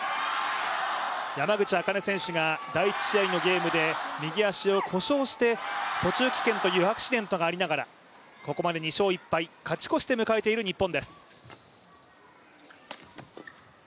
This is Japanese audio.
山口茜選手が第１試合のゲームで右足を故障して、途中棄権というアクシデントがありながらここまで２勝１敗勝ち越して迎えている日本。